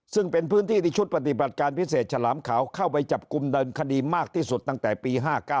ซึ่งเป็นพื้นที่ที่ชุดปฏิบัติการพิเศษฉลามขาวเข้าไปจับกลุ่มเดินคดีมากที่สุดตั้งแต่ปี๕๙